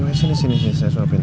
nggak sesuai sini sini saya suapin